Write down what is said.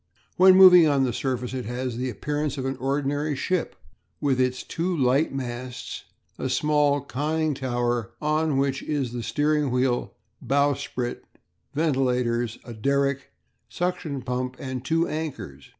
When moving on the surface it has the appearance of an ordinary ship, with its two light masts, a small conning tower on which is the steering wheel, bowsprit, ventilators, a derrick, suction pump, and two anchors.